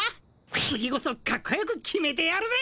次こそカッコよく決めてやるぜ。